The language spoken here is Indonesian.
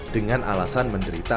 dengan alasan menderita